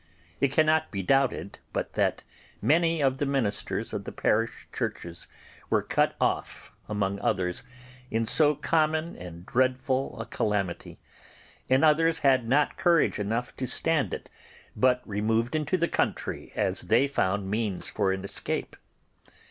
It cannot be doubted but that many of the ministers of the parish churches were cut off, among others, in so common and dreadful a calamity; and others had not courage enough to stand it, but removed into the country as they found means for escape.